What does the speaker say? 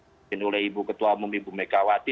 dipimpin oleh ibu ketua umum ibu megawati